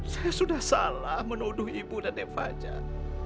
saya sudah salah menodoh ibu dan dek fajar